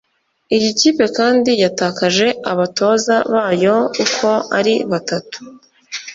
Iyi kipe kandi yatakaje abatoza bayo uko ari batatu